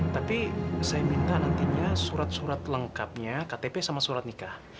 tapi saya minta nantinya surat surat lengkapnya ktp sama surat nikah